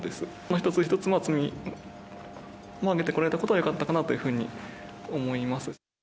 一つ一つ、積み上げられたことはよかったかなというふうに思います。